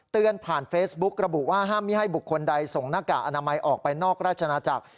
ผ่านเฟซบุ๊กระบุว่าห้ามไม่ให้บุคคลใดส่งหน้ากากอนามัยออกไปนอกราชนาจักร